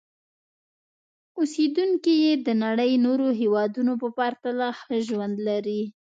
اوسېدونکي یې د نړۍ نورو هېوادونو په پرتله ښه ژوند لري.